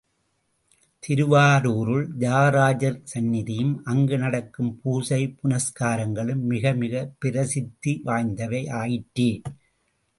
திருவாரூரில் தியாகராஜர் சந்நிதியும் அங்கு நடக்கும் பூசை புனஸ்காரங்களும் மிகமிகப் பிரசித்தி வாய்ந்தவை ஆயிற்றே!